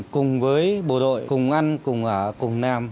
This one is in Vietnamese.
cùng với bộ đội cùng ăn cùng ở cùng làm